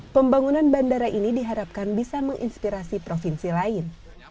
pembangunan bandara ini diharapkan bisa menginspirasi provinsi lain